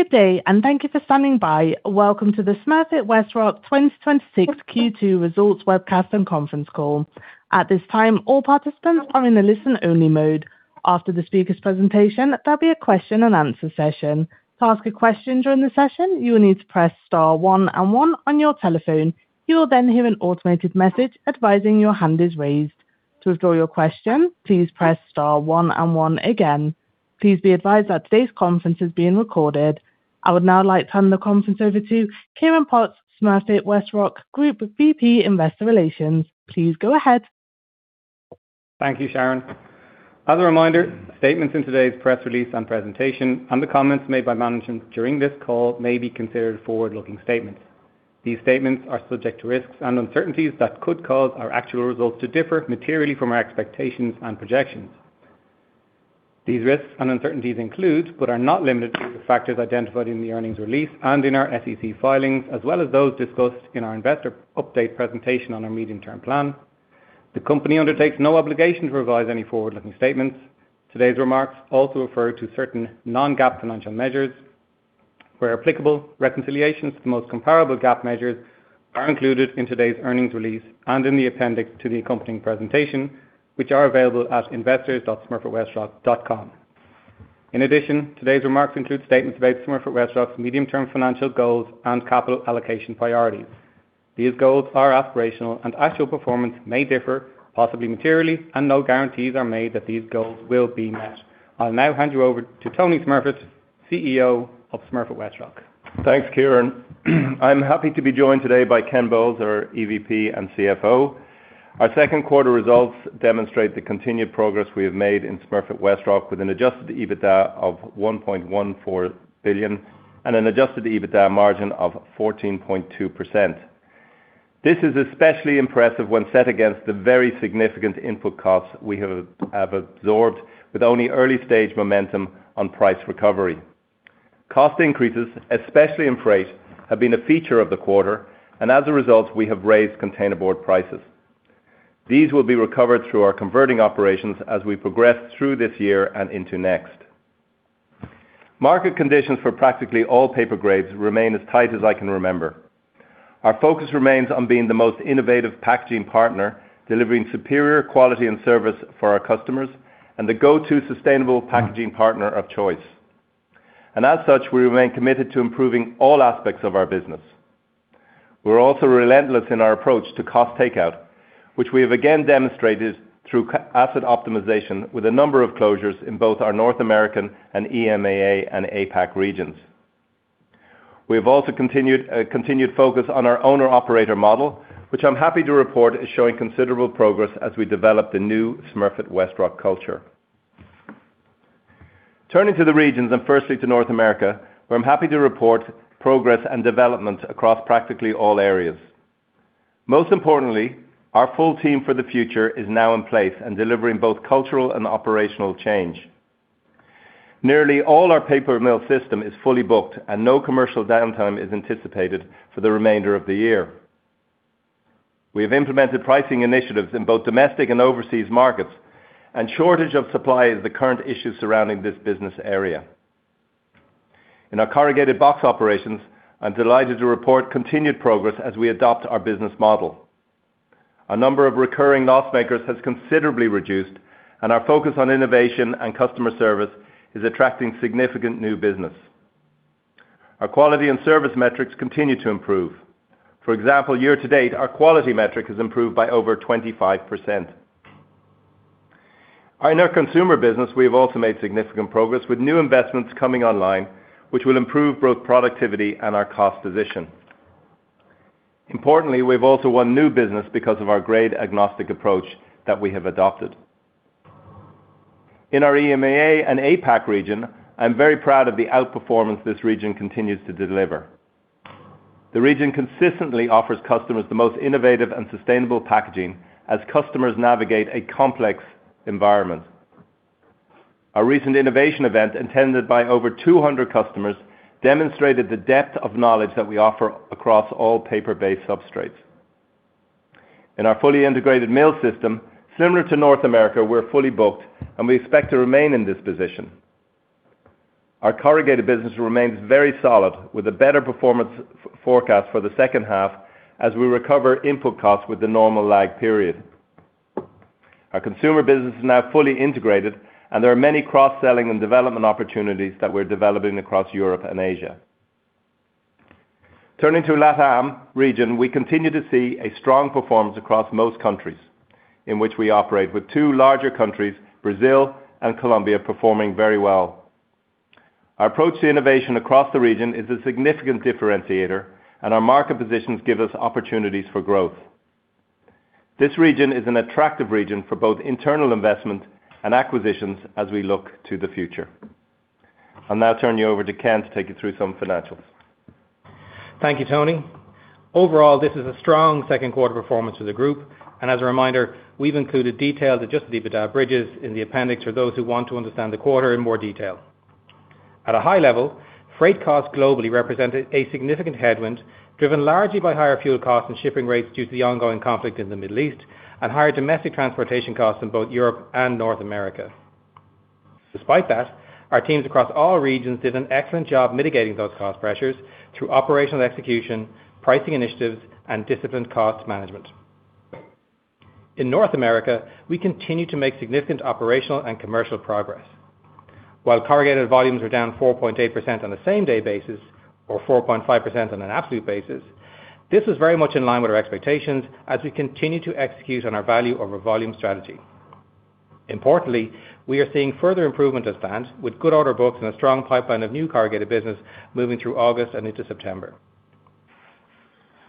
Good day. Thank you for standing by. Welcome to the Smurfit Westrock 2026 Q2 Results Webcast and Conference Call. At this time, all participants are in a listen-only mode. After the speakers' presentation, there'll be a question and answer session. To ask a question during the session, you will need to press star one and one on your telephone. You will then hear an automated message advising your hand is raised. To withdraw your question, please press star one and one again. Please be advised that today's conference is being recorded. I would now like to hand the conference over to Ciarán Potts, Smurfit Westrock Group VP Investor Relations. Please go ahead. Thank you, Sharon. As a reminder, statements in today's press release and presentation and the comments made by management during this call may be considered forward-looking statements. These statements are subject to risks and uncertainties that could cause our actual results to differ materially from our expectations and projections. These risks and uncertainties include, but are not limited to, the factors identified in the earnings release and in our SEC filings, as well as those discussed in our investor update presentation on our medium-term plan. The company undertakes no obligation to revise any forward-looking statements. Today's remarks also refer to certain non-GAAP financial measures. Where applicable, reconciliations to the most comparable GAAP measures are included in today's earnings release and in the appendix to the accompanying presentation, which are available at investors.smurfitwestrock.com. In addition, today's remarks include statements about Smurfit Westrock's medium-term financial goals and capital allocation priorities. These goals are aspirational and actual performance may differ, possibly materially, and no guarantees are made that these goals will be met. I'll now hand you over to Tony Smurfit, CEO of Smurfit Westrock. Thanks, Ciarán. I'm happy to be joined today by Ken Bowles, our EVP and CFO. Our second quarter results demonstrate the continued progress we have made in Smurfit Westrock with an adjusted EBITDA of $1.14 billion and an adjusted EBITDA margin of 14.2%. This is especially impressive when set against the very significant input costs we have absorbed with only early-stage momentum on price recovery. Cost increases, especially in freight, have been a feature of the quarter. As a result, we have raised containerboard prices. These will be recovered through our converting operations as we progress through this year and into next. Market conditions for practically all paper grades remain as tight as I can remember. Our focus remains on being the most innovative packaging partner, delivering superior quality and service for our customers and the go-to sustainable packaging partner of choice. As such, we remain committed to improving all aspects of our business. We're also relentless in our approach to cost takeout, which we have again demonstrated through asset optimization with a number of closures in both our North American and EMEA and APAC regions. We have also continued focus on our owner/operator model, which I'm happy to report is showing considerable progress as we develop the new Smurfit Westrock culture. Turning to the regions, firstly to North America, where I'm happy to report progress and development across practically all areas. Most importantly, our full team for the future is now in place and delivering both cultural and operational change. Nearly all our paper mill system is fully booked and no commercial downtime is anticipated for the remainder of the year. We have implemented pricing initiatives in both domestic and overseas markets. Shortage of supply is the current issue surrounding this business area. In our corrugated box operations, I'm delighted to report continued progress as we adopt our business model. A number of recurring loss makers has considerably reduced. Our focus on innovation and customer service is attracting significant new business. Our quality and service metrics continue to improve. For example, year-to-date, our quality metric has improved by over 25%. In our consumer business, we have also made significant progress with new investments coming online, which will improve both productivity and our cost position. Importantly, we've also won new business because of our grade-agnostic approach that we have adopted. In our EMEA and APAC region, I'm very proud of the outperformance this region continues to deliver. The region consistently offers customers the most innovative and sustainable packaging as customers navigate a complex environment. Our recent innovation event, attended by over 200 customers, demonstrated the depth of knowledge that we offer across all paper-based substrates. In our fully integrated mail system, similar to North America, we're fully booked and we expect to remain in this position. Our corrugated business remains very solid with a better performance forecast for the second half as we recover input costs with the normal lag period. Our consumer business is now fully integrated. There are many cross-selling and development opportunities that we're developing across Europe and Asia. Turning to LATAM region, we continue to see a strong performance across most countries in which we operate, with two larger countries, Brazil and Colombia, performing very well. Our approach to innovation across the region is a significant differentiator. Our market positions give us opportunities for growth. This region is an attractive region for both internal investment and acquisitions as we look to the future. I'll now turn you over to Ken to take you through some financials. Thank you, Tony. Overall, this is a strong second quarter performance for the group, and as a reminder, we've included detailed adjusted EBITDA bridges in the appendix for those who want to understand the quarter in more detail. At a high level, freight costs globally represented a significant headwind, driven largely by higher fuel costs and shipping rates due to the ongoing conflict in the Middle East and higher domestic transportation costs in both Europe and North America. Despite that, our teams across all regions did an excellent job mitigating those cost pressures through operational execution, pricing initiatives, and disciplined cost management. In North America, we continue to make significant operational and commercial progress. While corrugated volumes were down 4.8% on a same-day basis or 4.5% on an absolute basis, this was very much in line with our expectations as we continue to execute on our value over volume strategy. Importantly, we are seeing further improvement as planned, with good order books and a strong pipeline of new corrugated business moving through August and into September.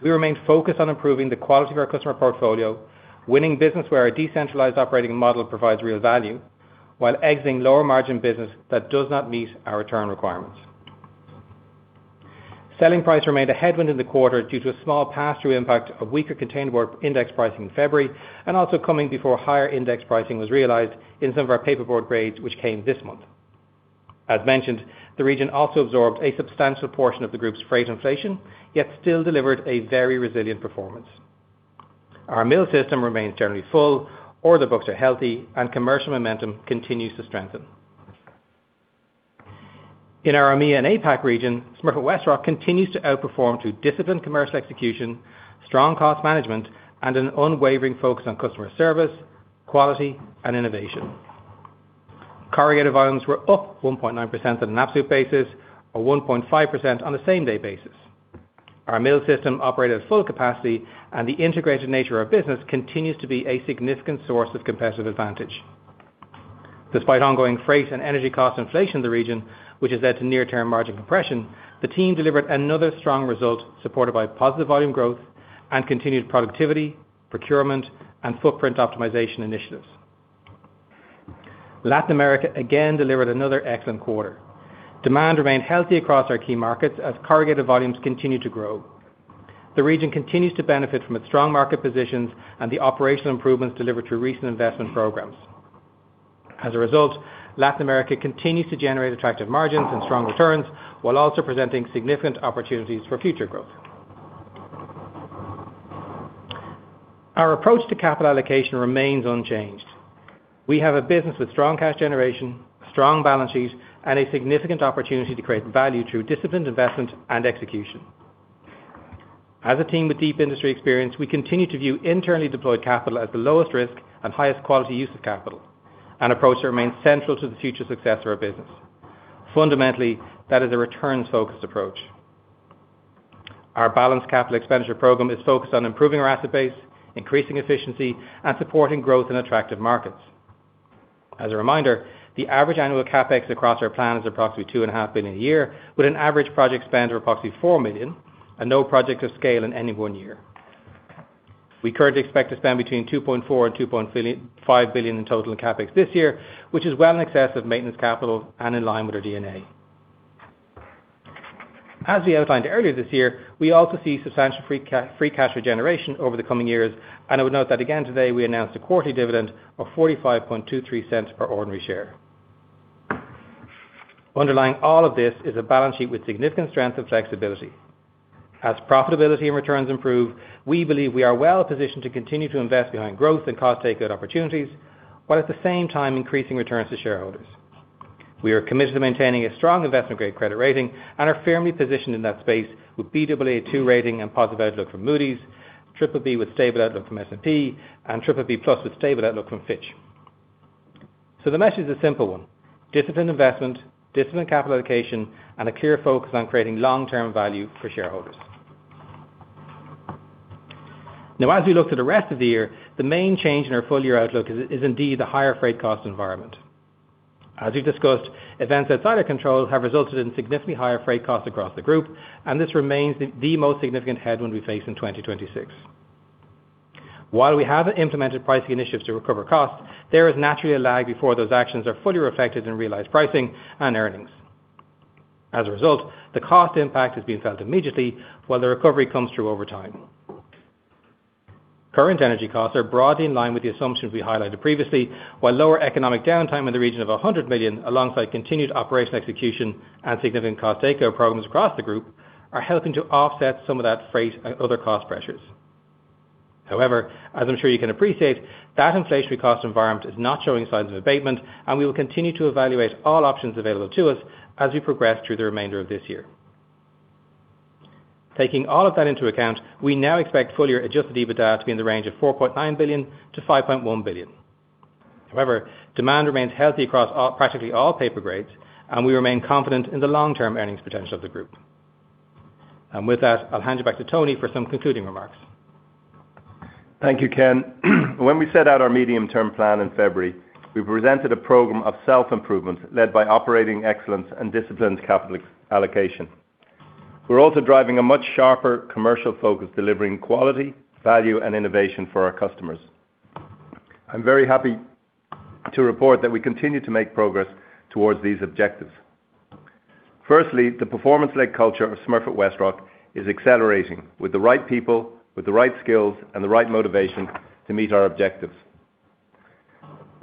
We remain focused on improving the quality of our customer portfolio, winning business where our decentralized operating model provides real value, while exiting lower margin business that does not meet our return requirements. Selling price remained a headwind in the quarter due to a small pass-through impact of weaker containerboard index pricing in February, and also coming before higher index pricing was realized in some of our paperboard grades, which came this month. As mentioned, the region also absorbed a substantial portion of the group's freight inflation, yet still delivered a very resilient performance. Our mill system remains generally full or the books are healthy, and commercial momentum continues to strengthen. In our EMEA and APAC region, Smurfit Westrock continues to outperform through disciplined commercial execution, strong cost management, and an unwavering focus on customer service, quality, and innovation. Corrugated volumes were up 1.9% on an absolute basis or 1.5% on a same-day basis. Our mill system operated at full capacity, and the integrated nature of business continues to be a significant source of competitive advantage. Despite ongoing freight and energy cost inflation in the region, which has led to near-term margin compression, the team delivered another strong result supported by positive volume growth and continued productivity, procurement, and footprint optimization initiatives. Latin America, again, delivered another excellent quarter. Demand remained healthy across our key markets as corrugated volumes continue to grow. The region continues to benefit from its strong market positions and the operational improvements delivered through recent investment programs. As a result, Latin America continues to generate attractive margins and strong returns while also presenting significant opportunities for future growth. Our approach to capital allocation remains unchanged. We have a business with strong cash generation, a strong balance sheet, and a significant opportunity to create value through disciplined investment and execution. As a team with deep industry experience, we continue to view internally deployed capital as the lowest risk and highest quality use of capital. An approach that remains central to the future success of our business. Fundamentally, that is a returns-focused approach. Our balanced capital expenditure program is focused on improving our asset base, increasing efficiency, and supporting growth in attractive markets. As a reminder, the average annual CapEx across our plan is approximately $2.5 billion a year, with an average project spend of approximately $4 million, and no project of scale in any one year. We currently expect to spend between $2.4 billion and $2.5 billion in total in CapEx this year, which is well in excess of maintenance capital and in line with our DNA. As we outlined earlier this year, we also see substantial free cash regeneration over the coming years, and I would note that again today we announced a quarterly dividend of $0.4523 per ordinary share. Underlying all of this is a balance sheet with significant strength and flexibility. As profitability and returns improve, we believe we are well positioned to continue to invest behind growth and cost takeout opportunities, while at the same time increasing returns to shareholders. We are committed to maintaining a strong investment-grade credit rating and are firmly positioned in that space with Baa2 rating and positive outlook from Moody's, BBB with stable outlook from S&P, and BBB+ with stable outlook from Fitch. The message is a simple one. Disciplined investment, disciplined capital allocation, and a clear focus on creating long-term value for shareholders. As we look to the rest of the year, the main change in our full-year outlook is indeed the higher freight cost environment. As we've discussed, events outside our control have resulted in significantly higher freight costs across the group, and this remains the most significant headwind we face in 2026. While we haven't implemented pricing initiatives to recover costs, there is naturally a lag before those actions are fully reflected in realized pricing and earnings. As a result, the cost impact is being felt immediately while the recovery comes through over time. Current energy costs are broadly in line with the assumptions we highlighted previously, while lower economic downtime in the region of $100 million, alongside continued operational execution and significant cost takeout programs across the group are helping to offset some of that freight and other cost pressures. As I'm sure you can appreciate, that inflationary cost environment is not showing signs of abatement, and we will continue to evaluate all options available to us as we progress through the remainder of this year. Taking all of that into account, we now expect full-year adjusted EBITDA to be in the range of $4.9 billion-$5.1 billion. Demand remains healthy across practically all paper grades, and we remain confident in the long-term earnings potential of the group. With that, I'll hand you back to Tony for some concluding remarks. Thank you, Ken. When we set out our medium-term plan in February, we presented a program of self-improvement led by operating excellence and disciplined capital allocation. We're also driving a much sharper commercial focus, delivering quality, value, and innovation for our customers. I'm very happy to report that we continue to make progress towards these objectives. Firstly, the performance-led culture of Smurfit Westrock is accelerating with the right people, with the right skills, and the right motivation to meet our objectives.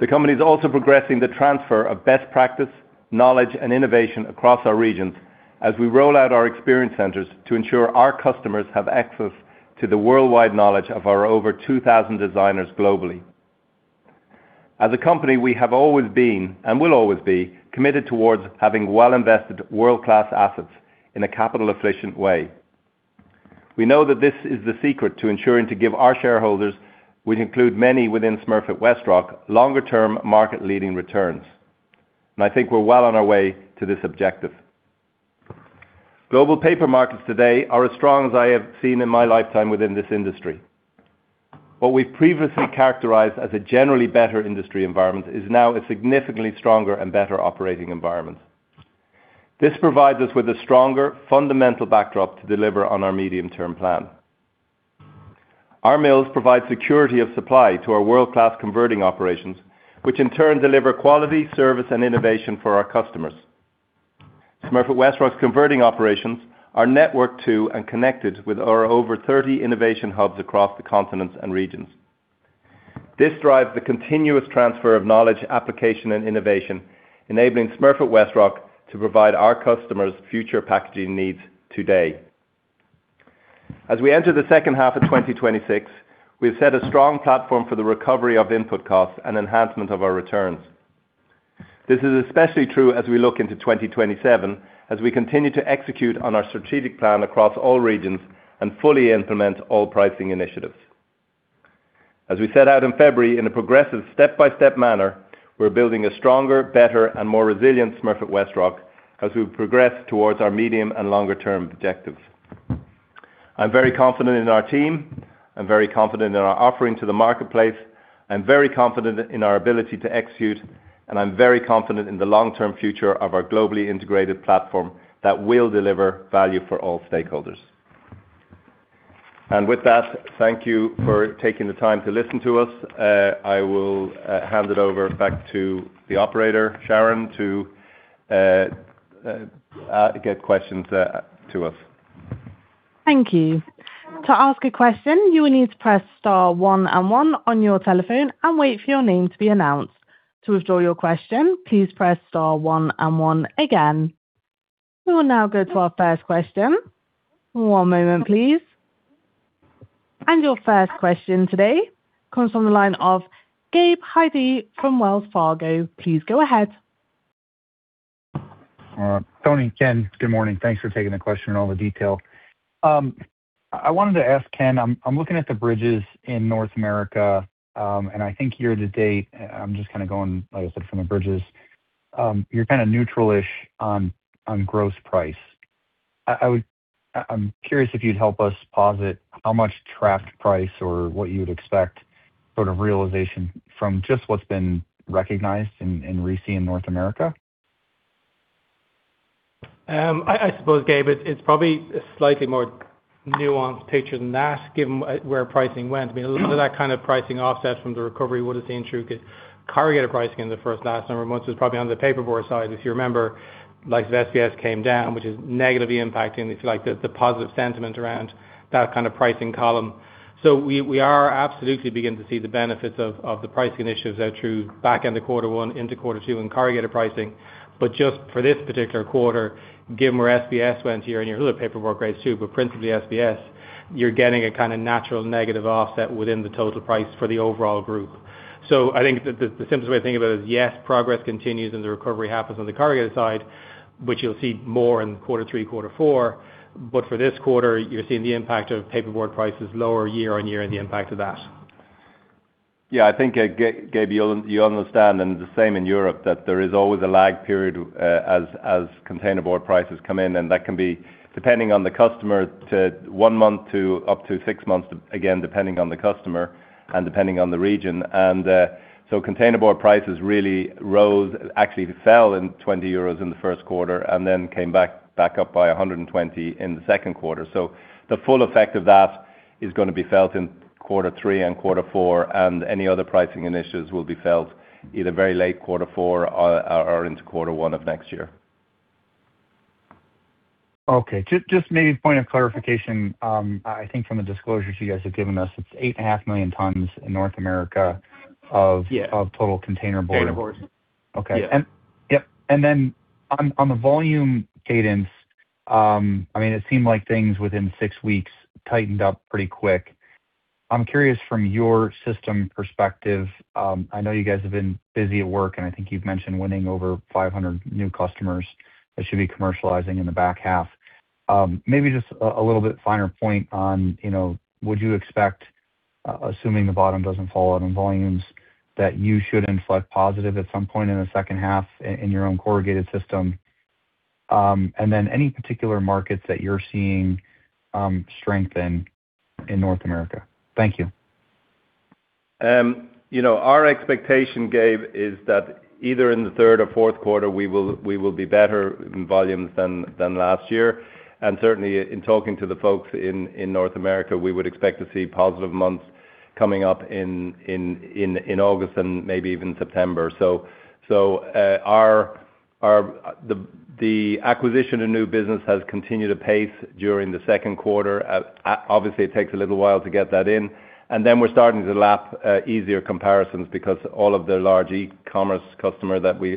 The company is also progressing the transfer of best practice, knowledge, and innovation across our regions. As we roll out our experience centers to ensure our customers have access to the worldwide knowledge of our over 2,000 designers globally. As a company, we have always been, and will always be, committed towards having well-invested world-class assets in a capital-efficient way. We know that this is the secret to ensuring to give our shareholders, which include many within Smurfit Westrock, longer-term market-leading returns. I think we're well on our way to this objective. Global paper markets today are as strong as I have seen in my lifetime within this industry. What we've previously characterized as a generally better industry environment is now a significantly stronger and better operating environment. This provides us with a stronger fundamental backdrop to deliver on our medium-term plan. Our mills provide security of supply to our world-class converting operations, which in turn deliver quality, service, and innovation for our customers. Smurfit Westrock's converting operations are networked to and connected with our over 30 innovation hubs across the continents and regions. This drives the continuous transfer of knowledge, application, and innovation, enabling Smurfit Westrock to provide our customers' future packaging needs today. As we enter the second half of 2026, we've set a strong platform for the recovery of input costs and enhancement of our returns. This is especially true as we look into 2027, as we continue to execute on our strategic plan across all regions and fully implement all pricing initiatives. As we set out in February, in a progressive step-by-step manner, we're building a stronger, better, and more resilient Smurfit Westrock as we progress towards our medium and longer-term objectives. I'm very confident in our team, I'm very confident in our offering to the marketplace, I'm very confident in our ability to execute, I'm very confident in the long-term future of our globally integrated platform that will deliver value for all stakeholders. With that, thank you for taking the time to listen to us. I will hand it over back to the operator, Sharon, to get questions to us. Thank you. To ask a question, you will need to press star one and one on your telephone and wait for your name to be announced. To withdraw your question, please press star one and one again. We will now go to our first question. One moment, please. Your first question today comes from the line of Gabe Hajde from Wells Fargo. Please go ahead. Tony, Ken, good morning. Thanks for taking the question and all the detail. I wanted to ask, Ken, I'm looking at the bridges in North America. I think year-to-date, I'm just kind of going, like I said, from the bridges. You're kind of neutral-ish on gross price. I'm curious if you'd help us posit how much tracked price or what you would expect sort of realization from just what's been recognized in RISI in North America. I suppose, Gabe, it's probably a slightly more nuanced picture than that, given where pricing went. I mean, a lot of that kind of pricing offset from the recovery would have seen through corrugated pricing in the first last number of months was probably on the paperboard side. If you remember, likes of SBS came down, which is negatively impacting the positive sentiment around that kind of pricing column. We are absolutely beginning to see the benefits of the pricing initiatives that through back end of quarter one into quarter two in corrugated pricing. Just for this particular quarter, given where SBS went year-on-year and other paperboard grades too, but principally SBS, you're getting a kind of natural negative offset within the total price for the overall group. I think the simplest way to think about it is, yes, progress continues and the recovery happens on the corrugated side, which you'll see more in quarter three, quarter four. For this quarter, you're seeing the impact of paperboard prices lower year-on-year and the impact of that. I think, Gabe, you understand, the same in Europe, that there is always a lag period, as containerboard prices come in. That can be depending on the customer to one month to up to six months, again, depending on the customer and depending on the region. Containerboard prices really fell in 20 euros in the first quarter and then came back up by 120 in the second quarter. The full effect of that is going to be felt in quarter three and quarter four, and any other pricing initiatives will be felt either very late quarter four or into quarter one of next year. Okay. Just maybe a point of clarification. I think from the disclosures you guys have given us, it's 8.5 million tons in North America of. Yeah. Of total containerboard. Containerboards. Okay. Yeah. Yep. On the volume cadence, it seemed like things within six weeks tightened up pretty quick. I'm curious from your system perspective, I know you guys have been busy at work, and I think you've mentioned winning over 500 new customers that should be commercializing in the back half. Maybe just a little bit finer point on would you expect, assuming the bottom doesn't fall out on volumes, that you should inflect positive at some point in the second half in your own corrugated system? Any particular markets that you're seeing strength in North America? Thank you. Our expectation, Gabe, is that either in the third or fourth quarter, we will be better in volumes than last year. Certainly in talking to the folks in North America, we would expect to see positive months coming up in August and maybe even September. The acquisition of new business has continued at pace during the second quarter. Obviously, it takes a little while to get that in. We're starting to lap easier comparisons because all of the large e-commerce customer that we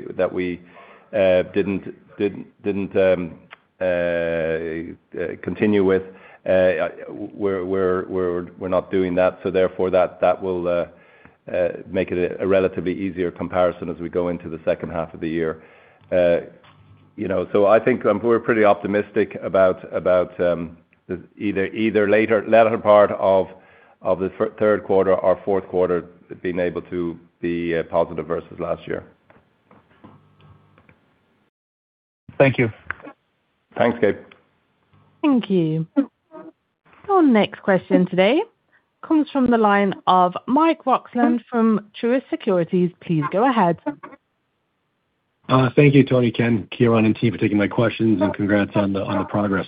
didn't continue with. We're not doing that, therefore that will make it a relatively easier comparison as we go into the second half of the year. I think we're pretty optimistic about either latter part of the third quarter or fourth quarter being able to be positive versus last year. Thank you. Thanks, Gabe. Thank you. Our next question today comes from the line of Mike Roxland from Truist Securities. Please go ahead. Thank you, Tony, Ken, Ciarán, and team for taking my questions, and congrats on the progress.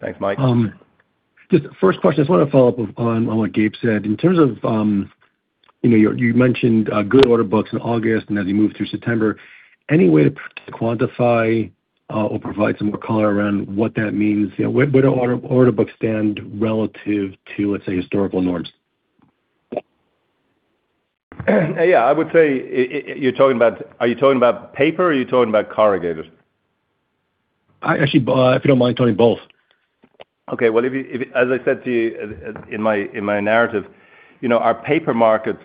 Thanks, Mike. Just first question, I just want to follow up on what Gabe said. In terms of, you mentioned good order books in August and as you move through September, any way to quantify or provide some more color around what that means? Where do order books stand relative to, let's say, historical norms? Yeah, I would say, are you talking about paper or are you talking about corrugated? Actually, if you don't mind, Tony, both. Okay. Well, as I said to you in my narrative, our paper markets,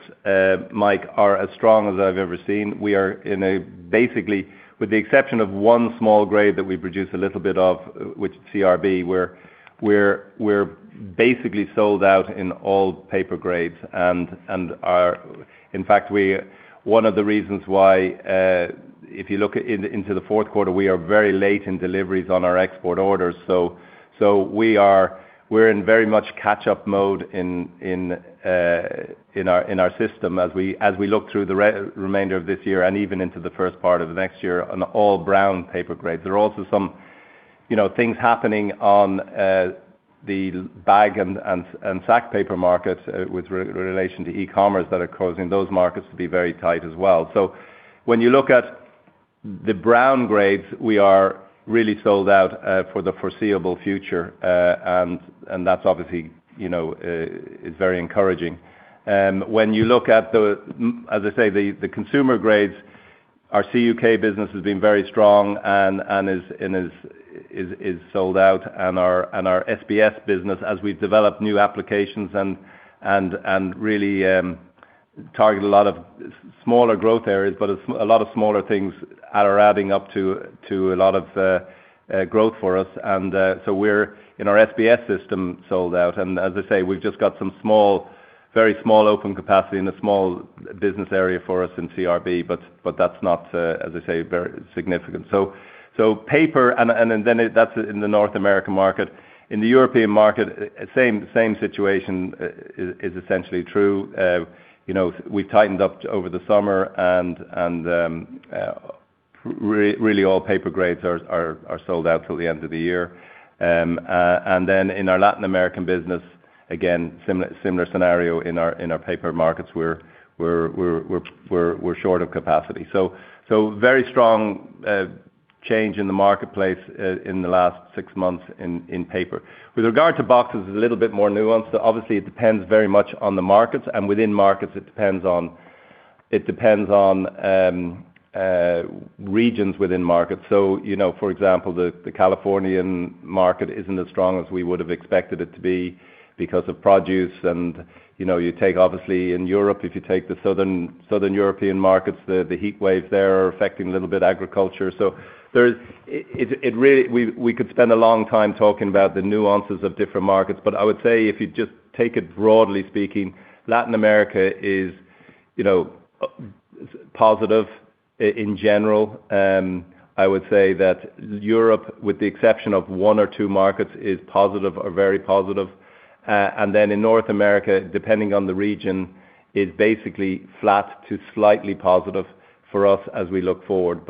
Mike, are as strong as I've ever seen. Basically, with the exception of one small grade that we produce a little bit of, which is CRB, we're basically sold out in all paper grades. In fact, one of the reasons why, if you look into the fourth quarter, we are very late in deliveries on our export orders. We're in very much catch-up mode in our system as we look through the remainder of this year and even into the first part of next year on all brown paper grades. There are also some things happening on the bag and sack paper markets with relation to e-commerce that are causing those markets to be very tight as well. When you look at the brown grades, we are really sold out for the foreseeable future. That obviously is very encouraging. When you look at the, as I say, the consumer grades, our CUK business has been very strong and is sold out, and our SBS business, as we develop new applications and really target a lot of smaller growth areas. A lot of smaller things are adding up to a lot of growth for us. We're, in our SBS system, sold out. As I say, we've just got some very small open capacity and a small business area for us in CRB, but that's not, as I say, very significant. Paper, and then that's in the North American market. In the European market, same situation is essentially true. We tightened up over the summer, really all paper grades are sold out till the end of the year. In our Latin American business, again, similar scenario in our paper markets. We're short of capacity. Very strong change in the marketplace in the last six months in paper. With regard to boxes, it's a little bit more nuanced. Obviously, it depends very much on the markets, and within markets, it depends on regions within markets. For example, the Californian market isn't as strong as we would have expected it to be because of produce. Obviously in Europe, if you take the Southern European markets, the heat waves there are affecting a little bit agriculture. We could spend a long time talking about the nuances of different markets. I would say if you just take it broadly speaking, Latin America is positive in general. I would say that Europe, with the exception of one or two markets, is positive or very positive. In North America, depending on the region, is basically flat to slightly positive for us as we look forward.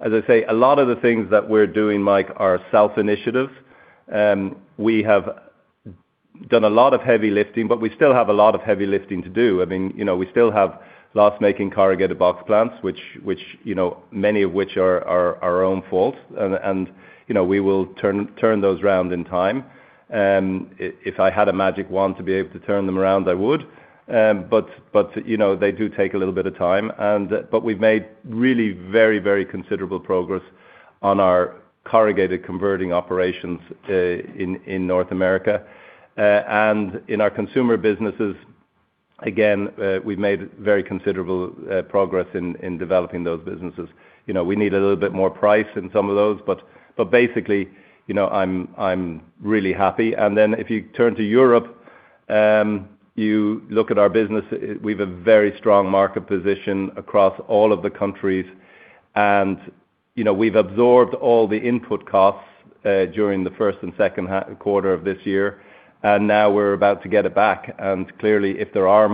As I say, a lot of the things that we're doing, Mike, are self-initiative. We have done a lot of heavy lifting, we still have a lot of heavy lifting to do. We still have loss-making corrugated box plants, many of which are our own fault, and we will turn those around in time. If I had a magic wand to be able to turn them around, I would. They do take a little bit of time. We've made really very, very considerable progress on our corrugated converting operations in North America. In our consumer businesses, again, we've made very considerable progress in developing those businesses. We need a little bit more price in some of those. Basically, I'm really happy. If you turn to Europe, you look at our business, we've a very strong market position across all of the countries, we've absorbed all the input costs during the first and second quarter of this year, now we're about to get it back. Clearly, if there are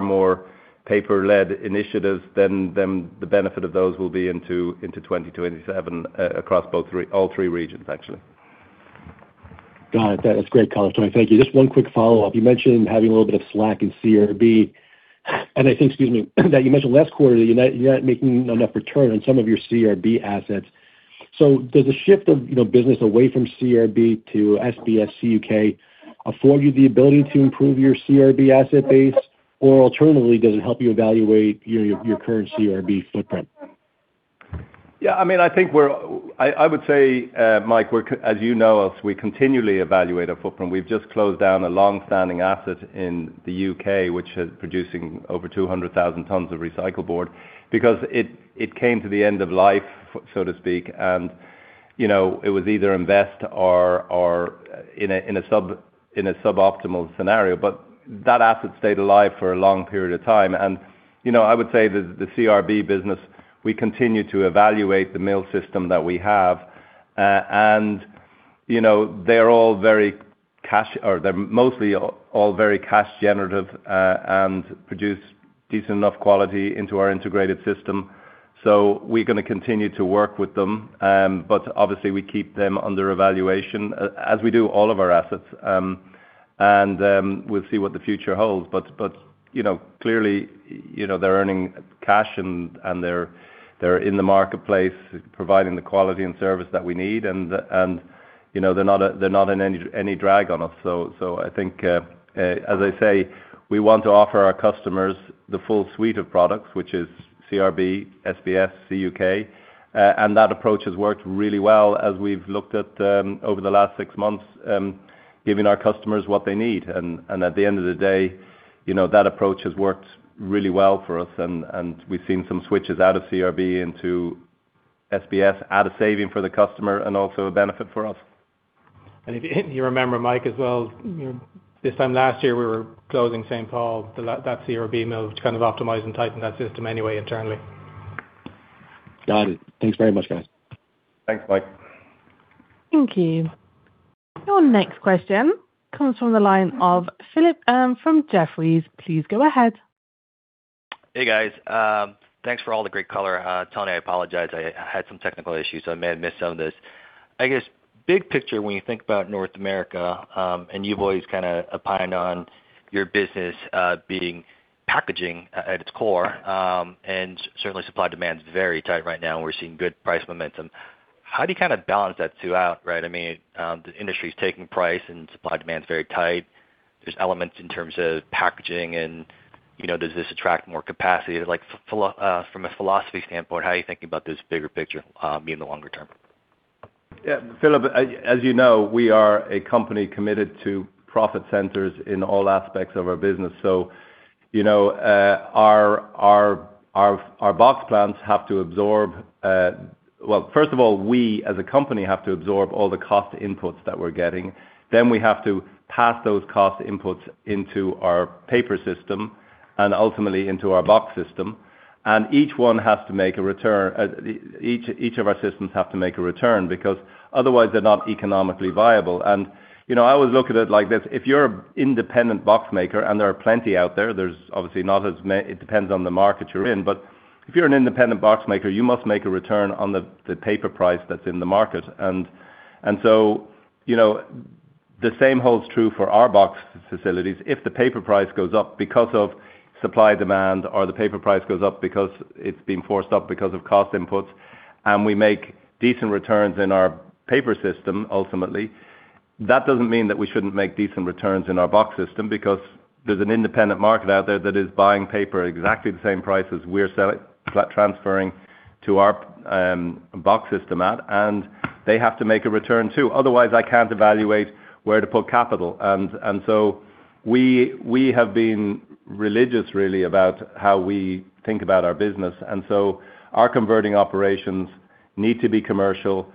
more paper-led initiatives, the benefit of those will be into 2027 across all three regions, actually. Got it. That's great color, Tony. Thank you. Just one quick follow-up. You mentioned having a little bit of slack in CRB, excuse me, that you mentioned last quarter that you're not making enough return on some of your CRB assets. Does a shift of business away from CRB to SBS, CUK afford you the ability to improve your CRB asset base? Alternatively, does it help you evaluate your current CRB footprint? Yeah. I would say, Mike, as you know us, we continually evaluate our footprint. We've just closed down a longstanding asset in the U.K., which is producing over 200,000 tons of recycled board because it came to the end of life, so to speak. It was either invest or in a suboptimal scenario. That asset stayed alive for a long period of time. I would say the CRB business, we continue to evaluate the mill system that we have. They're mostly all very cash generative and produce decent enough quality into our integrated system. We are going to continue to work with them. Obviously we keep them under evaluation as we do all of our assets. We'll see what the future holds. Clearly, they're earning cash and they're in the marketplace providing the quality and service that we need. They're not in any drag on us. I think as I say, we want to offer our customers the full suite of products, which is CRB, SBS, CUK. That approach has worked really well as we've looked at over the last six months, giving our customers what they need. At the end of the day, that approach has worked really well for us and we've seen some switches out of CRB into SBS at a saving for the customer and also a benefit for us. If you remember Mike as well, this time last year we were closing St. Paul, that CRB mill to kind of optimize and tighten that system anyway internally. Got it. Thanks very much guys. Thanks Mike. Thank you. Your next question comes from the line of Philip Ng from Jefferies. Please go ahead. Hey guys. Thanks for all the great color. Tony, I apologize. I had some technical issues, so I may have missed some of this. I guess big picture when you think about North America, and you've always kind of opined on your business being packaging at its core. Certainly supply demand is very tight right now and we're seeing good price momentum. How do you kind of balance that two out, right? The industry's taking price and supply demand is very tight. There's elements in terms of packaging and does this attract more capacity? Like from a philosophy standpoint, how are you thinking about this bigger picture being the longer term? Yeah. Philip, as you know, we are a company committed to profit centers in all aspects of our business. Well, first of all, we as a company have to absorb all the cost inputs that we're getting. We have to pass those cost inputs into our paper system and ultimately into our box system. Each of our systems have to make a return because otherwise they're not economically viable. I always look at it like this, if you're an independent box maker and there are plenty out there's obviously not as many, it depends on the market you're in, but if you're an independent box maker, you must make a return on the paper price that's in the market. The same holds true for our box facilities. If the paper price goes up because of supply demand or the paper price goes up because it's been forced up because of cost inputs, and we make decent returns in our paper system, ultimately, that doesn't mean that we shouldn't make decent returns in our box system because there's an independent market out there that is buying paper exactly the same price as we are transferring to our box system at, and they have to make a return too. Otherwise, I can't evaluate where to put capital. We have been religious really about how we think about our business. Our converting operations need to be commercial.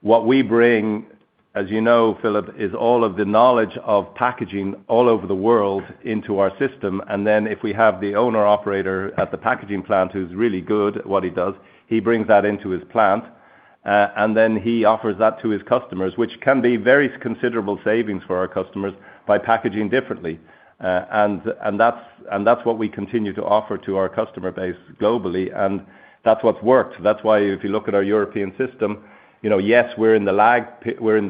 What we bring, as you know Philip, is all of the knowledge of packaging all over the world into our system. If we have the owner operator at the packaging plant who's really good at what he does, he brings that into his plant, he offers that to his customers, which can be very considerable savings for our customers by packaging differently. That's what we continue to offer to our customer base globally, that's what's worked. That's why if you look at our European system, yes, we're in the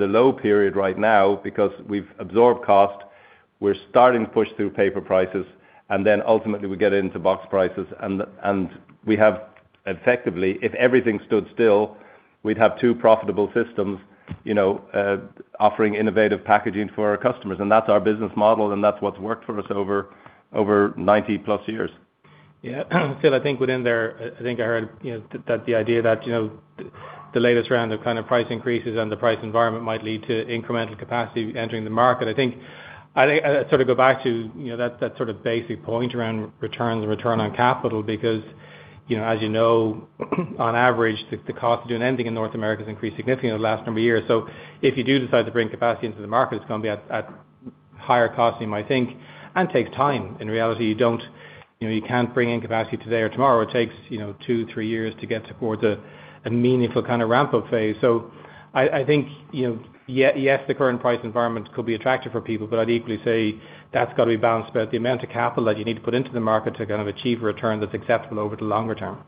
low period right now because we've absorbed cost. We're starting to push through paper prices, ultimately we get into box prices. We have effectively, if everything stood still, we'd have two profitable systems offering innovative packaging for our customers. That's our business model and that's what's worked for us over 90+ years. Yeah. Phil, I think within there, I think I heard that the idea that the latest round of kind of price increases and the price environment might lead to incremental capacity entering the market. I think I sort of go back to that sort of basic point around returns and return on capital because as you know on average, the cost of doing anything in North America has increased significantly in the last number of years. If you do decide to bring capacity into the market, it's going to be at higher cost you might think, and takes time. In reality, you can't bring in capacity today or tomorrow. It takes two, three years to get towards a meaningful kind of ramp-up phase. I think, yes, the current price environment could be attractive for people, but I'd equally say that's got to be balanced about the amount of capital that you need to put into the market to kind of achieve a return that's acceptable over the longer term.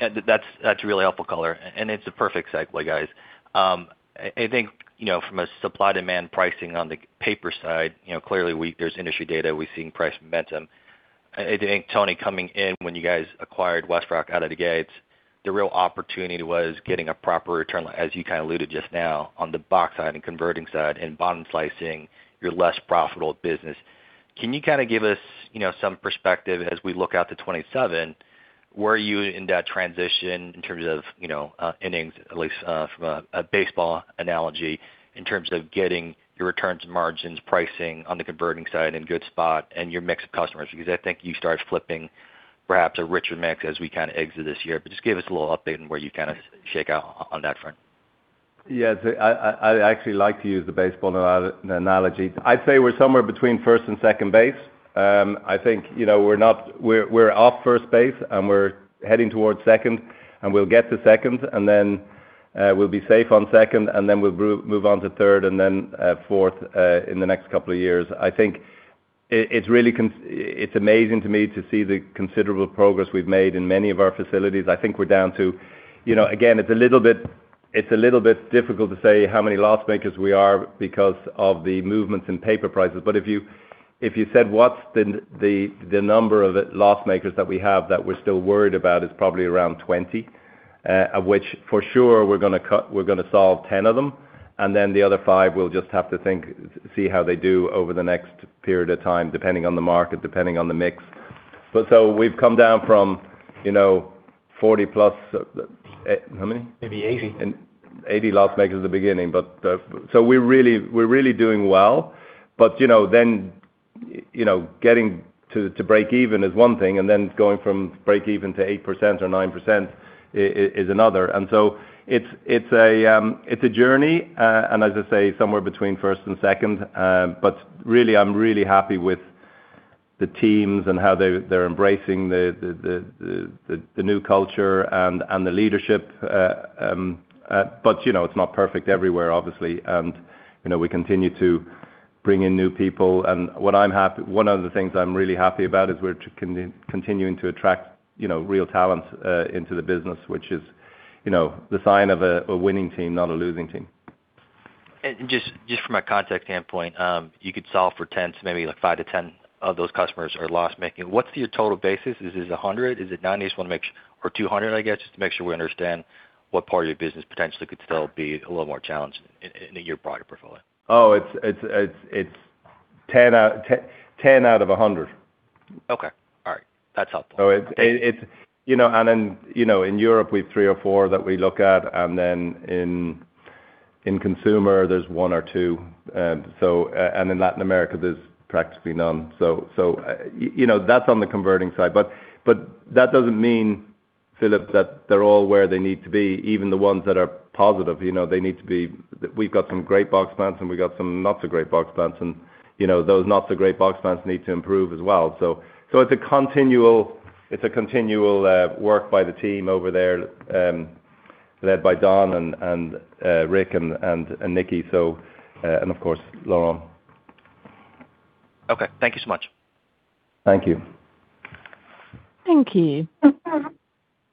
Yeah. That's really helpful color and it's a perfect segue, guys. I think from a supply-demand pricing on the paper side, clearly there's industry data, we're seeing price momentum. I think, Tony, coming in when you guys acquired WestRock out of the gates, the real opportunity was getting a proper return, as you kind of alluded just now, on the box side and converting side and bottom slicing your less profitable business. Can you give us some perspective as we look out to 2027? Where are you in that transition in terms of innings, at least from a baseball analogy, in terms of getting your returns and margins pricing on the converting side in good spot and your mix of customers? Because I think you started flipping perhaps a richer mix as we exit this year. Just give us a little update on where you kind of shake out on that front. Yes. I actually like to use the baseball analogy. I'd say we're somewhere between first and second base. I think we're off first base and we're heading towards second, and we'll get to second, and then we'll be safe on second, and then we'll move on to third and then fourth in the next couple of years. I think it's amazing to me to see the considerable progress we've made in many of our facilities. Again, it's a little bit difficult to say how many loss makers we are because of the movements in paper prices. If you said what's the number of loss makers that we have that we're still worried about, it's probably around 20, of which for sure we're going to solve 10 of them, and then the other five we'll just have to see how they do over the next period of time, depending on the market, depending on the mix. We've come down from 40+. How many? Maybe 80. 80 loss makers at the beginning. We're really doing well. Getting to break even is one thing, and then going from break even to 8% or 9% is another. It's a journey. As I say, somewhere between first and second. Really, I'm really happy with the teams and how they're embracing the new culture and the leadership. It's not perfect everywhere, obviously. We continue to bring in new people. One of the things I'm really happy about is we're continuing to attract real talent into the business, which is the sign of a winning team, not a losing team. Just from a context standpoint, you could solve for maybe 5-10 of those customers are loss-making. What's your total basis? Is this 100? Is it 90, just want to make or 200, I guess, just to make sure we understand what part of your business potentially could still be a little more challenged in your broader portfolio? Oh, it's 10 out of 100. Okay. All right. That's helpful. In Europe, we've three or four that we look at, then in consumer, there's one or two. In Latin America, there's practically none. That's on the converting side. That doesn't mean, Philip, that they're all where they need to be, even the ones that are positive. We've got some great box plants, and we've got some not so great box plants. Those not so great box plants need to improve as well. It's a continual work by the team over there led by Don and Rick and Nikki and of course, Lauren. Okay. Thank you so much. Thank you. Thank you.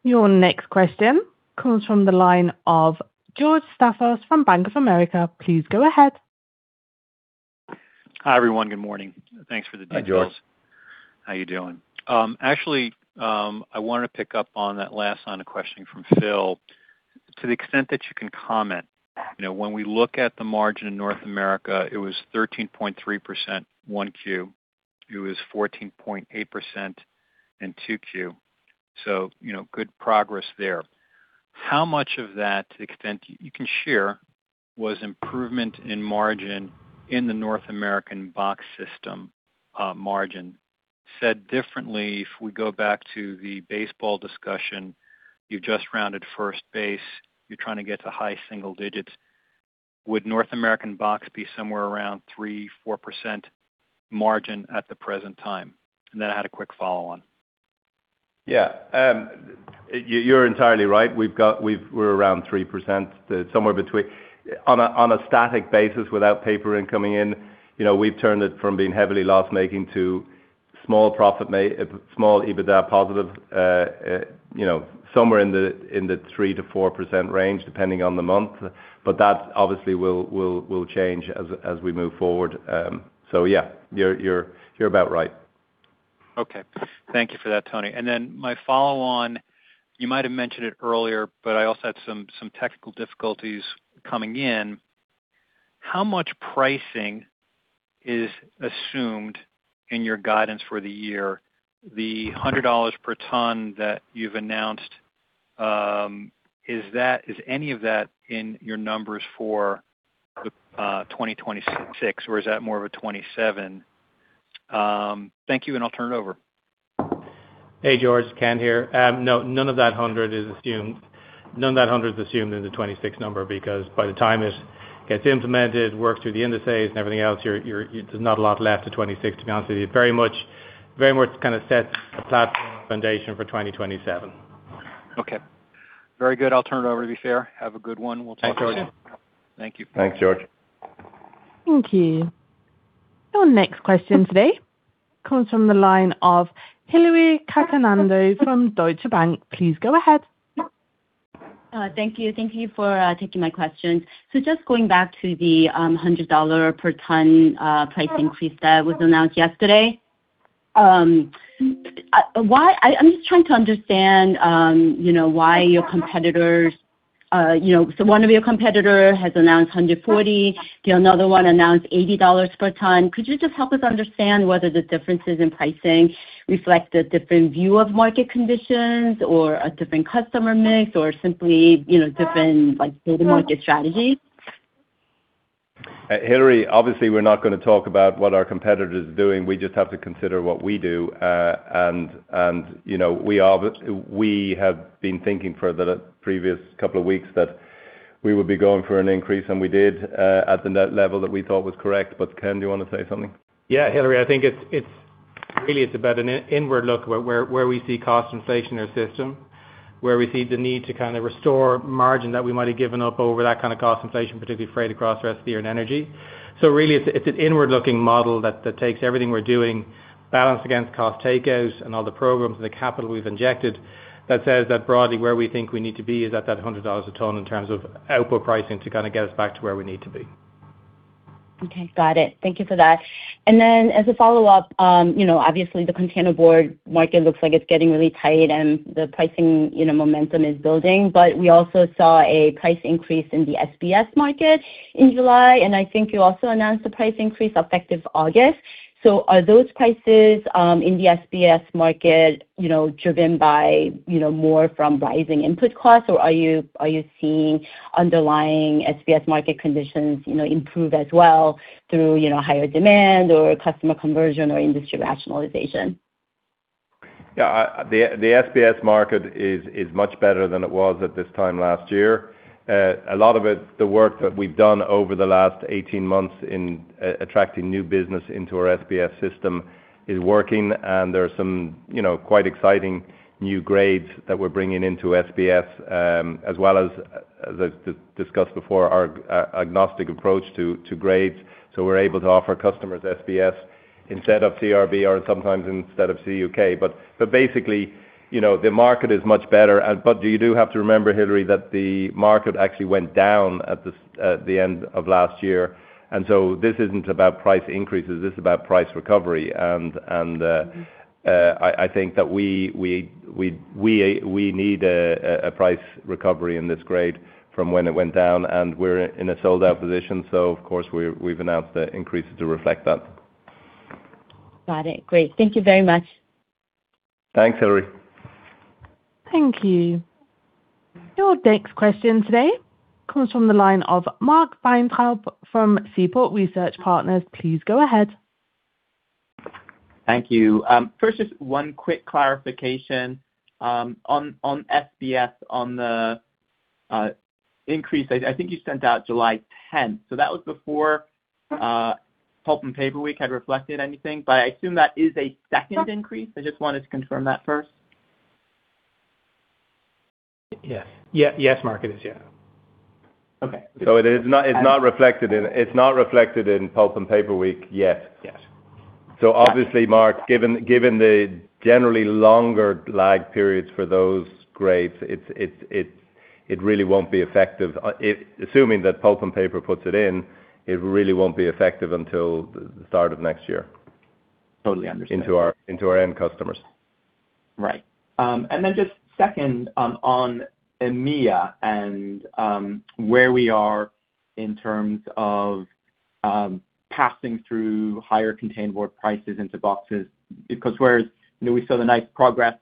Your next question comes from the line of George Staphos from Bank of America. Please go ahead. Hi, everyone. Good morning. Thanks for the details. Hi, George. How you doing? Actually, I wanted to pick up on that last line of questioning from Phil. To the extent that you can comment, when we look at the margin in North America, it was 13.3% in 1Q. It was 14.8% in 2Q. Good progress there. How much of that, to the extent you can share, was improvement in margin in the North American box system margin? Said differently, if we go back to the baseball discussion, you've just rounded first base. You're trying to get to high single digits. Would North American box be somewhere around 3%, 4% margin at the present time? I had a quick follow on. Yeah. You're entirely right. We're around 3%, somewhere between. On a static basis without paper incoming in, we've turned it from being heavily loss-making to small EBITDA positive, somewhere in the 3%-4% range, depending on the month. That obviously will change as we move forward. Yeah, you're about right. Okay. Thank you for that, Tony. My follow on, you might have mentioned it earlier, I also had some technical difficulties coming in. How much pricing is assumed in your guidance for the year? The $100 per ton that you've announced, is any of that in your numbers for the 2026 or is that more of a 2027? Thank you, I'll turn it over. Hey, George, Ken here. No, none of that $100 is assumed in the 2026 number because by the time it gets implemented, works through the indices and everything else, there's not a lot left to 2026, to be honest with you. Very much kind of sets a platform foundation for 2027. Okay. Very good. I'll turn it over to be fair. Have a good one. We'll talk soon. Thank you. Thanks, George. Thank you. Your next question today comes from the line of Hillary Cacanando from Deutsche Bank. Please go ahead. Thank you. Thank you for taking my questions. Just going back to the $100 per ton price increase that was announced yesterday. I'm just trying to understand why one of your competitor has announced $140. The other one announced $80 per ton. Could you just help us understand whether the differences in pricing reflect a different view of market conditions or a different customer mix or simply different go-to-market strategies? Hillary, obviously we're not going to talk about what our competitor is doing. We just have to consider what we do. We have been thinking for the previous couple of weeks that we would be going for an increase, and we did, at the net level that we thought was correct. Ken, do you want to say something? Hillary, I think it's really about an inward look where we see cost inflation in our system, where we see the need to restore margin that we might have given up over that kind of cost inflation, particularly freight across the rest of the year and energy. Really, it's an inward-looking model that takes everything we're doing, balanced against cost takeouts and all the programs and the capital we've injected that says that broadly, where we think we need to be is at that $100 a ton in terms of output pricing to kind of get us back to where we need to be. Got it. Thank you for that. As a follow-up, obviously the containerboard market looks like it's getting really tight and the pricing momentum is building. We also saw a price increase in the SBS market in July, and I think you also announced a price increase effective August. Are those prices in the SBS market driven by more from rising input costs, or are you seeing underlying SBS market conditions improve as well through higher demand or customer conversion or industry rationalization? Yeah. The SBS market is much better than it was at this time last year. A lot of it, the work that we've done over the last 18 months in attracting new business into our SBS system is working, and there are some quite exciting new grades that we're bringing into SBS, as well as discussed before, our agnostic approach to grades. We're able to offer customers SBS instead of CRB or sometimes instead of CUK. Basically, the market is much better. You do have to remember, Hillary, that the market actually went down at the end of last year, and this isn't about price increases, this is about price recovery. I think that we need a price recovery in this grade from when it went down, and we're in a sold-out position. Of course, we've announced the increase to reflect that. Got it. Great. Thank you very much. Thanks, Hillary. Thank you. Your next question today comes from the line of Mark Weintraub from Seaport Research Partners. Please go ahead. Thank you. First, just one quick clarification. On SBS, on the increase, I think you sent out July 10th. That was before Pulp & Paper Week had reflected anything, but I assume that is a second increase. I just wanted to confirm that first. Yes. Mark, it is, yeah. Okay. It is not reflected in Pulp & Paper Week yet. Yes. Obviously, Mark, given the generally longer lag periods for those grades, it really won't be effective. Assuming that Pulp & Paper puts it in, it really won't be effective until the start of next year. Totally understood. Into our end customers. Right. Then just second on EMEA and where we are in terms of passing through higher containerboard prices into boxes. Because whereas we saw the nice progress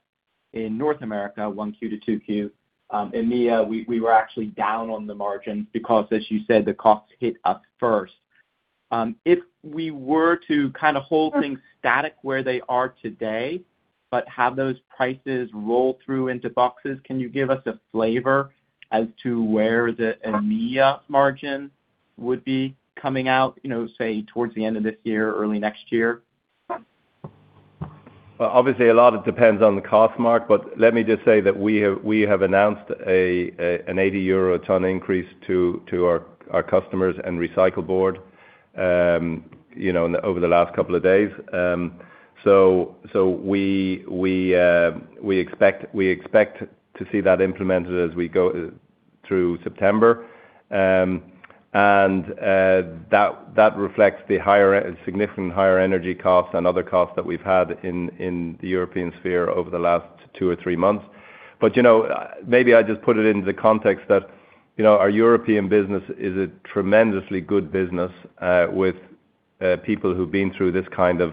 in North America, 1Q to 2Q. EMEA, we were actually down on the margin because, as you said, the costs hit us first. If we were to kind of hold things static where they are today, but have those prices roll through into boxes, can you give us a flavor as to where the EMEA margin would be coming out, say towards the end of this year or early next year? Obviously, a lot of it depends on the cost Mark. Let me just say that we have announced an 80 euro ton increase to our customers and recycled board over the last couple of days. We expect to see that implemented as we go through September. That reflects the significant higher energy costs and other costs that we've had in the European sphere over the last two or three months. Maybe I just put it into context that our European business is a tremendously good business with people who've been through this kind of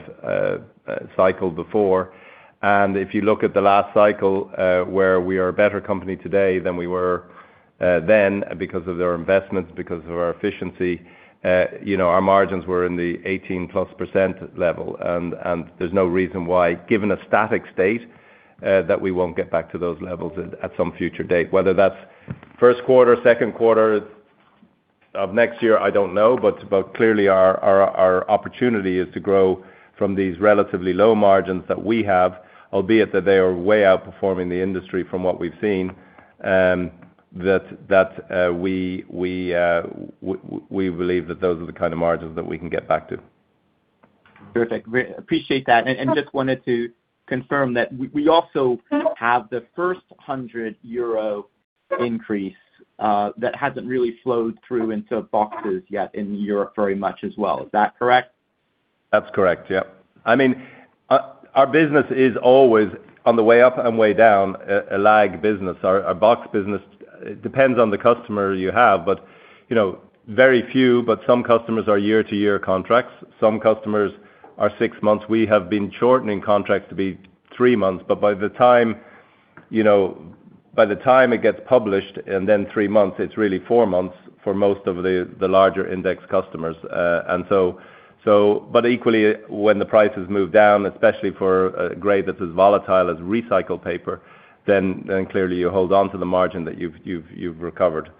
cycle before. If you look at the last cycle, where we are a better company today than we were then because of their investments, because of our efficiency. Our margins were in the 18%+ level. There's no reason why, given a static state, that we won't get back to those levels at some future date. Whether that's first quarter, second quarter of next year, I don't know. Clearly our opportunity is to grow from these relatively low margins that we have, albeit that they are way outperforming the industry from what we've seen. We believe that those are the kind of margins that we can get back to. Terrific. Appreciate that. Just wanted to confirm that we also have the first 100 euro increase that hasn't really flowed through into boxes yet in Europe very much as well. Is that correct? That's correct. Yep. Our business is always on the way up and way down a lag business. Our box business depends on the customer you have, but very few, but some customers are year-to-year contracts. Some customers are six months. We have been shortening contracts to be three months, but by the time it gets published and then three months, it's really four months for most of the larger index customers. Equally, when the prices move down, especially for a grade that's as volatile as recycled paper, then clearly you hold onto the margin that you've recovered.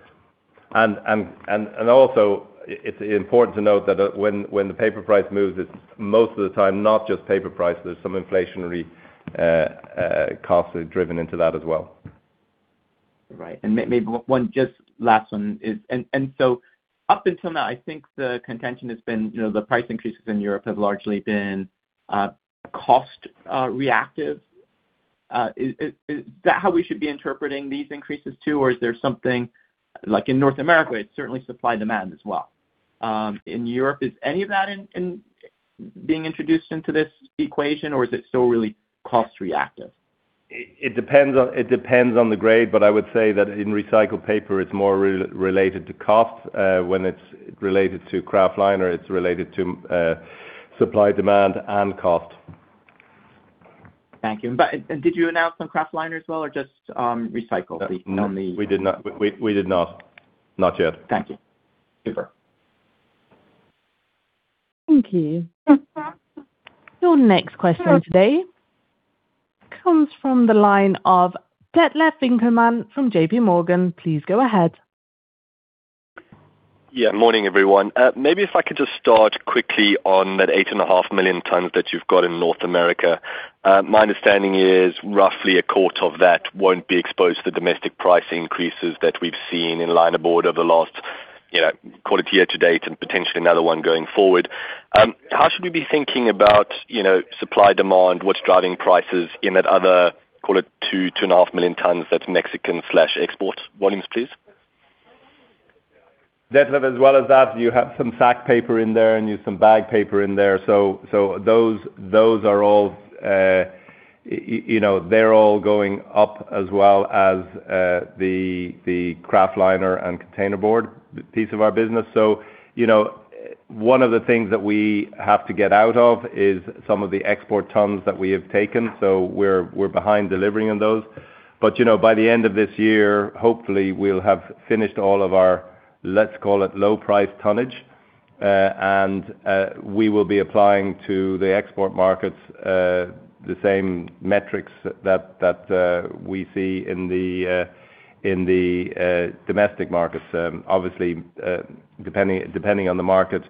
Also, it's important to note that when the paper price moves, it's most of the time not just paper price, there's some inflationary costs are driven into that as well. Right. Maybe one just last one. Up until now, I think the contention has been the price increases in Europe have largely been cost reactive. Is that how we should be interpreting these increases too? Or is there something, like in North America, it's certainly supply and demand as well. In Europe, is any of that being introduced into this equation or is it still really cost reactive? It depends on the grade. I would say that in recycled paper, it's more related to cost. When it's related to kraftliner, it's related to supply, demand, and cost. Thank you. Did you announce on kraftliner as well, or just recycled on the? We did not. Not yet. Thank you. Super. Thank you. Your next question today comes from the line of Detlef Winckelmann from JPMorgan. Please go ahead. Morning, everyone. Maybe if I could just start quickly on that 8.5 million tons that you've got in North America. My understanding is roughly a quarter of that won't be exposed to domestic price increases that we've seen in linerboard over the last call it year-to-date, and potentially another one going forward. How should we be thinking about supply, demand, what's driving prices in that other call it 2.5 million tons that's Mexican/export volumes, please? Detlef, as well as that, you have some sack paper in there and you have some bag paper in there. Those are all going up as well as the kraftliner and containerboard piece of our business. One of the things that we have to get out of is some of the export tons that we have taken. We're behind delivering on those. By the end of this year, hopefully we'll have finished all of our, let's call it low price tonnage. We will be applying to the export markets the same metrics that we see in the domestic markets. Obviously, depending on the market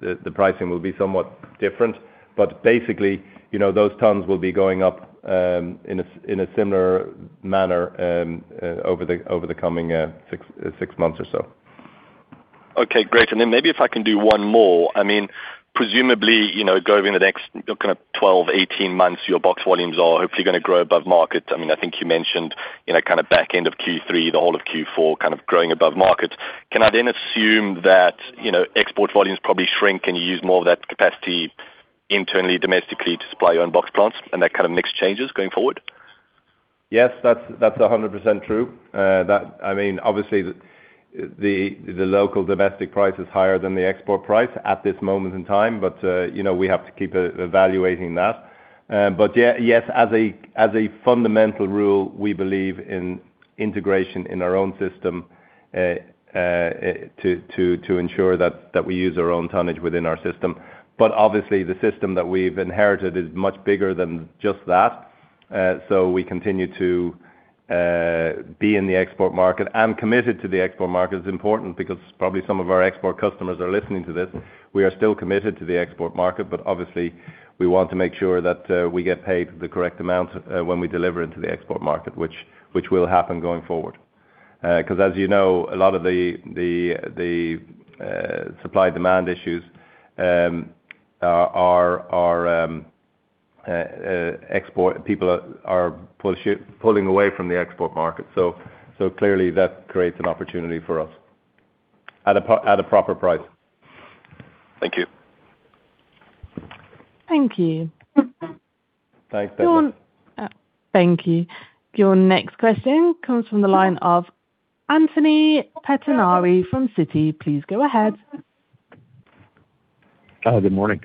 the pricing will be somewhat different. Basically, those tons will be going up in a similar manner over the coming six months or so. Okay, great. Maybe if I can do one more. Presumably, going over the next kind of 12, 18 months, your box volumes are hopefully going to grow above market. I think you mentioned kind of back end of Q3, the whole of Q4 growing above market. Can I then assume that export volumes probably shrink and you use more of that capacity internally, domestically to supply your own box plants and that kind of mix changes going forward? Yes, that's 100% true. Obviously the local domestic price is higher than the export price at this moment in time. We have to keep evaluating that. Yes, as a fundamental rule, we believe in integration in our own system to ensure that we use our own tonnage within our system. Obviously the system that we've inherited is much bigger than just that. We continue to be in the export market and committed to the export market is important because probably some of our export customers are listening to this. We are still committed to the export market, but obviously we want to make sure that we get paid the correct amount when we deliver into the export market which will happen going forward. As you know, a lot of the supply demand issues are export people are pulling away from the export market. Clearly that creates an opportunity for us at a proper price. Thank you. Thank you. Thanks, Detlef. Thank you. Your next question comes from the line of Anthony Pettinari from Citi. Please go ahead. Good morning.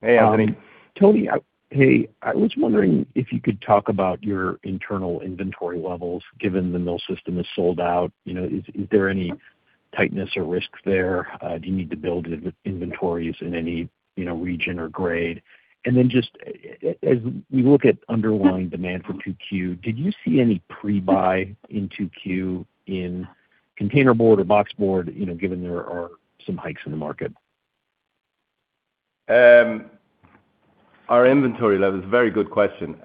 Hey, Anthony. Tony. Hey. I was wondering if you could talk about your internal inventory levels given the mill system is sold out. Is there any tightness or risk there? Do you need to build inventories in any region or grade? Just as we look at underlying demand for 2Q, did you see any pre-buy in 2Q in containerboard or boxboard given there are some hikes in the market? Our inventory levels. Very good question.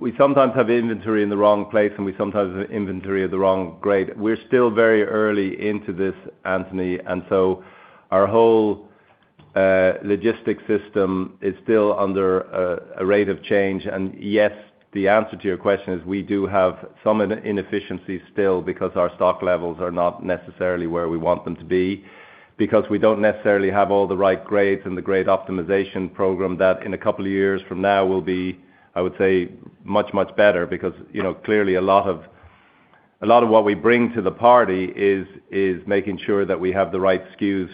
We sometimes have inventory in the wrong place, and we sometimes have inventory of the wrong grade. We're still very early into this, Anthony. Our whole logistics system is still under a rate of change. Yes, the answer to your question is we do have some inefficiencies still because our stock levels are not necessarily where we want them to be, because we don't necessarily have all the right grades and the grade optimization program that in a couple of years from now will be, I would say, much, much better because clearly a lot of what we bring to the party is making sure that we have the right SKUs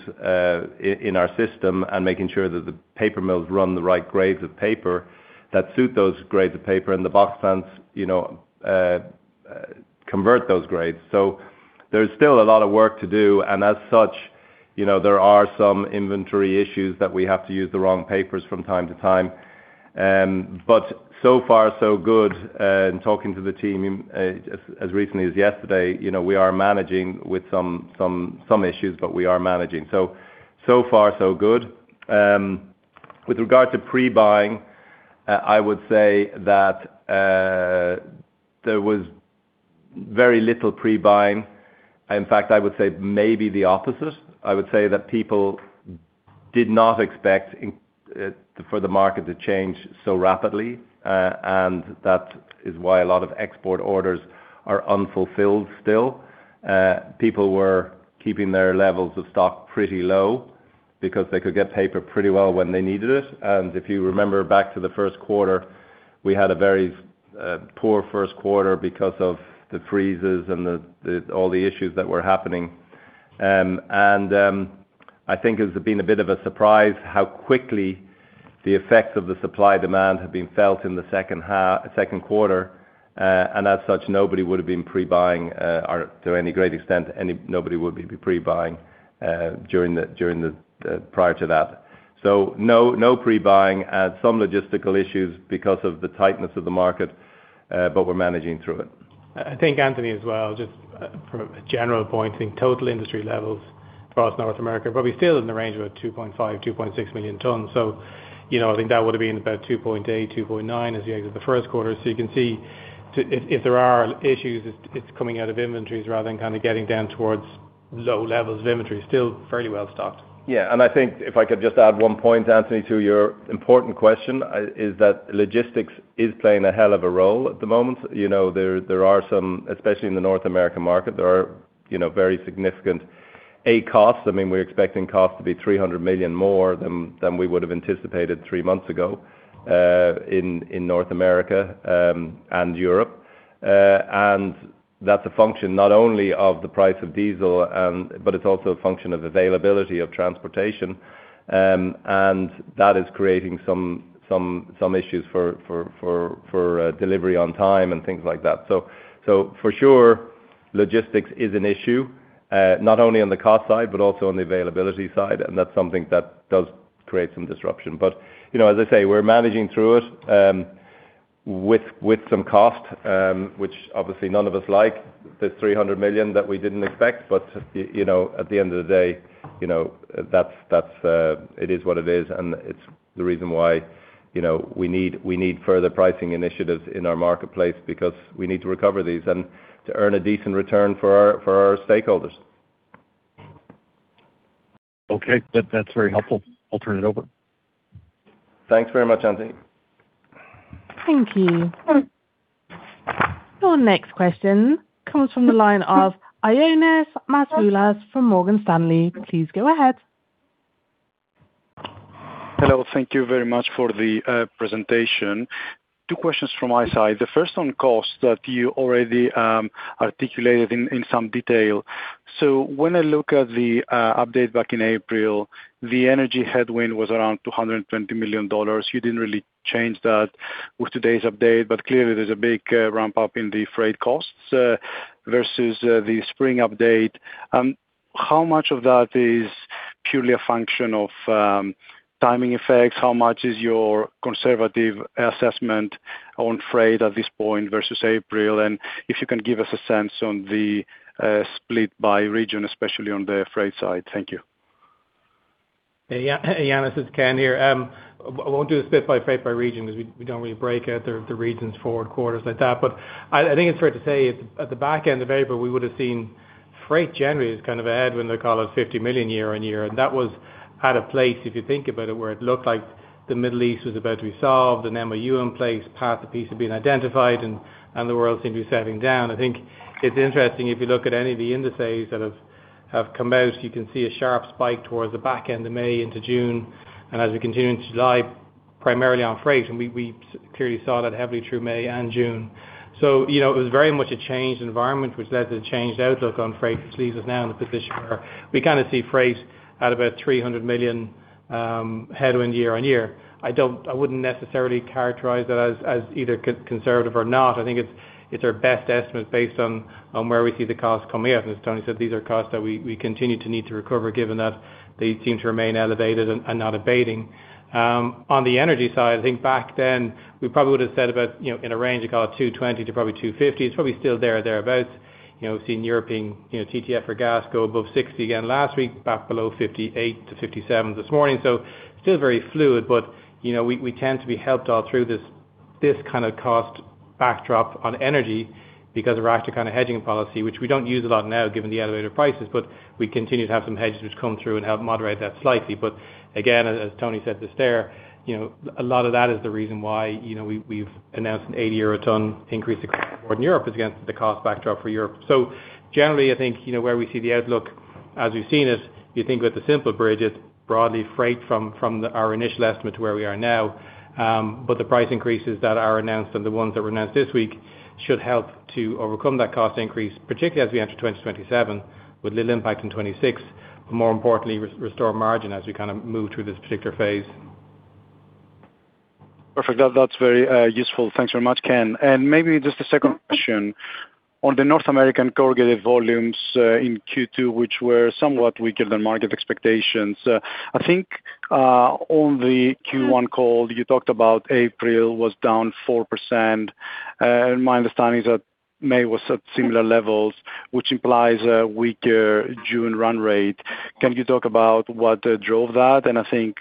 in our system and making sure that the paper mills run the right grades of paper that suit those grades of paper and the box plants convert those grades. There's still a lot of work to do, and as such, there are some inventory issues that we have to use the wrong papers from time to time. So far so good. In talking to the team as recently as yesterday, we are managing with some issues, but we are managing. So far so good. With regard to pre-buying, I would say that there was very little pre-buying. In fact, I would say maybe the opposite. I would say that people did not expect for the market to change so rapidly, and that is why a lot of export orders are unfulfilled still. People were keeping their levels of stock pretty low because they could get paper pretty well when they needed it. If you remember back to the first quarter, we had a very poor first quarter because of the freezes and all the issues that were happening. I think it's been a bit of a surprise how quickly the effects of the supply/demand have been felt in the second quarter, and as such, nobody would have been pre-buying to any great extent, nobody would be pre-buying prior to that. No pre-buying. Some logistical issues because of the tightness of the market, but we're managing through it. I think, Anthony, as well, just from a general point, I think total industry levels across North America are probably still in the range of about 2.5 million-2.6 million tons. I think that would have been about 2.8 million-2.9 million tons as the exit the first quarter. You can see if there are issues, it's coming out of inventories rather than kind of getting down towards low levels of inventory. Still fairly well stocked. Yeah. I think if I could just add one point, Anthony, to your important question, is that logistics is playing a hell of a role at the moment. There are some, especially in the North American market, there are very significant A costs. We're expecting costs to be $300 million more than we would have anticipated three months ago in North America and Europe. That's a function not only of the price of diesel, but it's also a function of availability of transportation. That is creating some issues for delivery on time and things like that. For sure, logistics is an issue, not only on the cost side, but also on the availability side, and that's something that does create some disruption. As I say, we're managing through it with some cost, which obviously none of us like the $300 million that we didn't expect. At the end of the day, it is what it is, and it's the reason why we need further pricing initiatives in our marketplace because we need to recover these and to earn a decent return for our stakeholders. Okay. That's very helpful. I'll turn it over. Thanks very much, Anthony. Thank you. Your next question comes from the line of Ioannis Masvoulas from Morgan Stanley. Please go ahead. Hello. Thank you very much for the presentation. Two questions from my side. The first on cost that you already articulated in some detail. When I look at the update back in April, the energy headwind was around $220 million. You didn't really change that with today's update, but clearly there's a big ramp-up in the freight costs versus the spring update. How much of that is purely a function of timing effects? How much is your conservative assessment on freight at this point versus April? And if you can give us a sense on the split by region, especially on the freight side. Thank you. Ioannis, it's Ken here. I won't do the split by freight by region because we don't really break out the regions for quarters like that. I think it's fair to say, at the back end of April, we would have seen freight generally as kind of a headwind, call it $50 million year-on-year. That was at a place, if you think about it, where it looked like the Middle East was about to be solved, an MOU in place, path to peace had been identified, and the world seemed to be settling down. I think it's interesting if you look at any of the indices that have come out, you can see a sharp spike towards the back end of May into June, and as we continue into July, primarily on freight. We clearly saw that heavily through May and June. It was very much a changed environment which led to the changed outlook on freight, which leaves us now in a position where we kind of see freight at about $300 million headwind year-over-year. I wouldn't necessarily characterize that as either conservative or not. I think it's our best estimate based on where we see the costs coming out. As Tony said, these are costs that we continue to need to recover given that they seem to remain elevated and not abating. On the energy side, I think back then we probably would have said about in a range of call it $220 million-$250 million. It's probably still there or thereabout. We've seen European TTF for gas go above 60 again last week, back below 58 to 57 this morning. Still very fluid, but we tend to be helped all through this kind of cost backdrop on energy because of our active kind of hedging policy, which we don't use a lot now given the elevated prices, but we continue to have some hedges which come through and help moderate that slightly. Again, as Tony said just there, a lot of that is the reason why we've announced an 80 euro ton increase in Europe against the cost backdrop for Europe. Generally, I think, where we see the outlook as we've seen it, you think with the simple bridge, it's broadly freight from our initial estimate to where we are now. The price increases that are announced and the ones that were announced this week should help to overcome that cost increase, particularly as we enter 2027 with little impact in 2026, but more importantly, restore margin as we kind of move through this particular phase. Perfect. That's very useful. Thanks very much, Ken. Maybe just a second question. On the North American corrugated volumes in Q2, which were somewhat weaker than market expectations. I think on the Q1 call, you talked about April was down 4%, and my understanding is that May was at similar levels, which implies a weaker June run rate. Can you talk about what drove that? I think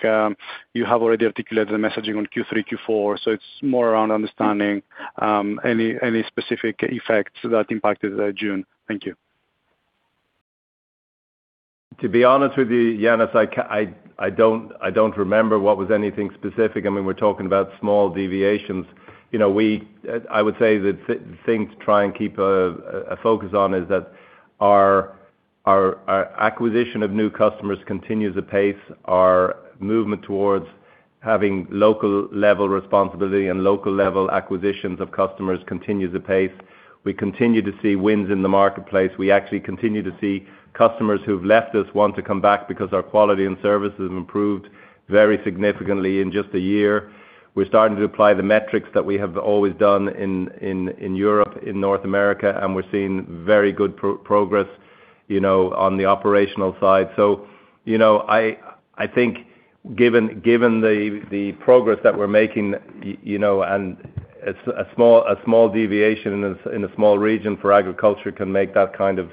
you have already articulated the messaging on Q3, Q4, so it's more around understanding any specific effects that impacted June. Thank you. To be honest with you, Ioannis, I don't remember what was anything specific. I mean, we're talking about small deviations. I would say the thing to try and keep a focus on is that our acquisition of new customers continues apace. Our movement towards having local level responsibility and local level acquisitions of customers continues apace. We continue to see wins in the marketplace. We actually continue to see customers who've left us want to come back because our quality and service has improved very significantly in just a year. We're starting to apply the metrics that we have always done in Europe, in North America, and we're seeing very good progress on the operational side. I think given the progress that we're making, and a small deviation in a small region for agriculture can make that kind of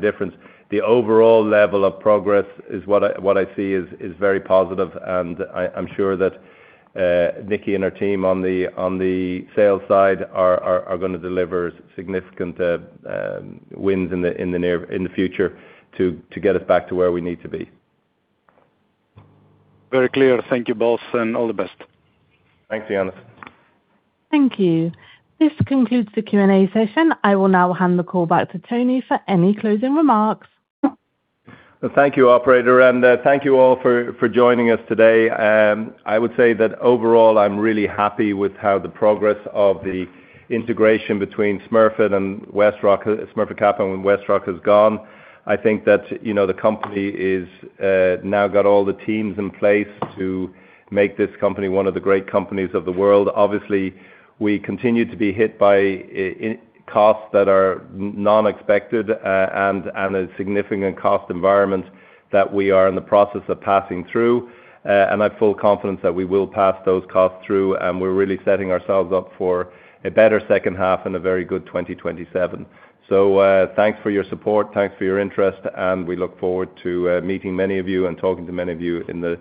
difference. The overall level of progress is what I see is very positive, and I'm sure that Nikki and her team on the sales side are going to deliver significant wins in the future to get us back to where we need to be. Very clear. Thank you both, and all the best. Thanks, Ioannis. Thank you. This concludes the Q&A session. I will now hand the call back to Tony for any closing remarks. Thank you, operator. Thank you all for joining us today. I would say that overall, I'm really happy with how the progress of the integration between Smurfit Kappa and Westrock has gone. I think that the company now got all the teams in place to make this company one of the great companies of the world. Obviously, we continue to be hit by costs that are non-expected and a significant cost environment that we are in the process of passing through. I have full confidence that we will pass those costs through, and we're really setting ourselves up for a better second half and a very good 2027. Thanks for your support. Thanks for your interest, and we look forward to meeting many of you and talking to many of you in the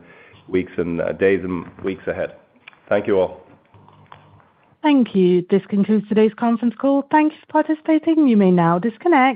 days and weeks ahead. Thank you all. Thank you. This concludes today's conference call. Thank you for participating. You may now disconnect.